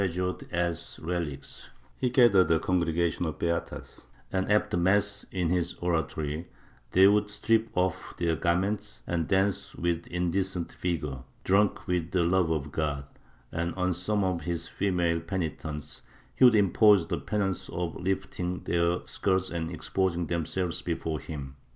30 MYSTICISM [Book VIII ured as relics; he gathered a congregation of beatas and, after mass in his oratory, they would strip off their garments and dance with indecent vigor — drunk with the love of God — and, on some of his female penitents, he would impose the penance of lifting their skirts and exposing themselves before him.